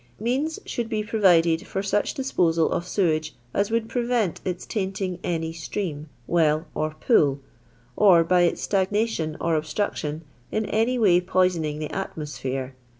Means should be provided for such disposal of sewage as would prevent its tainting any stream, wdl, or pool, or, by its stagnation or obstruction, in any way poisoning the atmosphere.